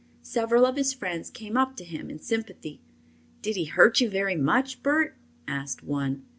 Several of his friends came up to him in sympathy. "Did he hurt you very much, Bert?" asked one.